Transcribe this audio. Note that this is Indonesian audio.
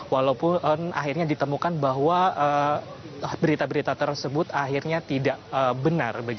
walaupun akhirnya ditemukan bahwa berita berita tersebut akhirnya tidak benar